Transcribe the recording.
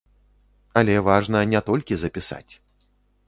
Але важна не толькі запісаць.